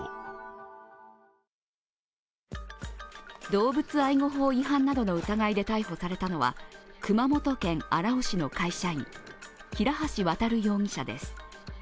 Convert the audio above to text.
動物愛護法違反などの疑いで逮捕されたのは熊本県荒尾市の会社員平橋渉容疑者です。